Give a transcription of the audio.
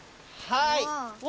はい！